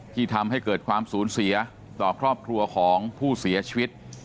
ที่ทำให้เกิดความสูญเสียต่อครอบครัวของผู้เสียชีวิต